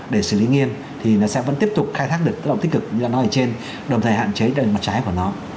để xử lý nghiêm thì nó sẽ vẫn tiếp tục khai thác được tích cực như là nói ở trên đồng thời hạn chế trên mặt trái của nó